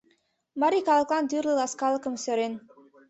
Марий калыклан тӱрлӧ ласкалыкым сӧрен.